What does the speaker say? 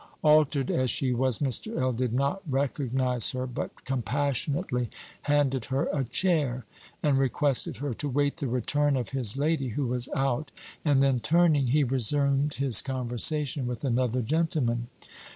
Altered as she was, Mr. L. did not recognize her, but compassionately handed her a chair, and requested her to wait the return of his lady, who was out; and then turning, he resumed his conversation with another gentleman.